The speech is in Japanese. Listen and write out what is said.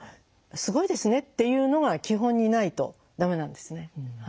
すごいですねっていうのが基本にないとダメなんですね。